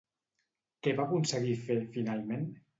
Què va aconseguir fer, finalment?